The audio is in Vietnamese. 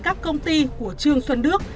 các công ty của trương xuân đức